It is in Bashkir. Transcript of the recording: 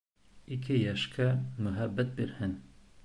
Ике йәшкә мөхәббәт бирһен!